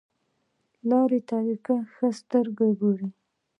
لارې طریقې ښه سترګه ګوري.